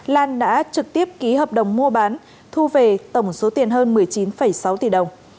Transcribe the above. lan đã trực tiếp ký hợp đồng mua bán thu về tổng số tiền hơn một mươi chín sáu tỷ đồng